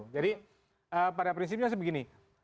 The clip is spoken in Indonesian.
jadi pada prinsipnya seperti ini